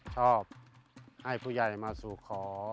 ชอบให้ผู้ใหญ่มาสู่ขอ